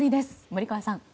森川さん。